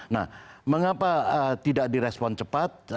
nah mengapa tidak di respon cepat